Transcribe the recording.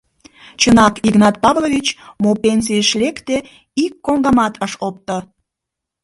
Чынак, Игнат Павлович, мо пенсийыш лекте, ик коҥгамат ыш опто.